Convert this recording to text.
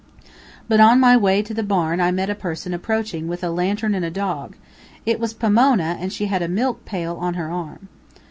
But on my way to the barn I met a person approaching with a lantern and a dog. It was Pomona, and she had a milk pail on her arm.